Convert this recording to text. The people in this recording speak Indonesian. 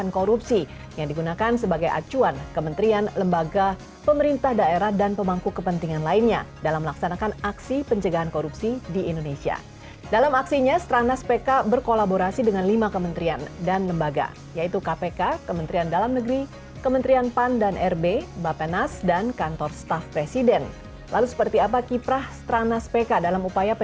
korupsi di indonesia